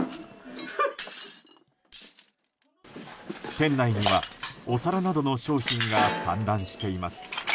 店内には、お皿などの商品が散乱しています。